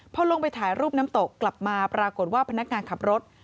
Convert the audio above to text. พอลงไปถ่ายรูปน้ำตกกลับมาปรากฏว่าพนักงานขับรถ